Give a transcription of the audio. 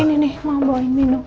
ini nih mau bawa ini nuh